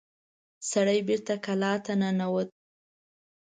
سړی بېرته کلا ته ننوت.